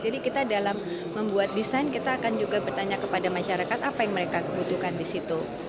jadi kita dalam membuat desain kita akan juga bertanya kepada masyarakat apa yang mereka kebutuhkan di situ